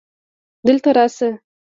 دلته راسه